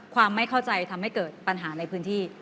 ความไม่เข้าใจทำให้เกิดปัญหาในพื้นที่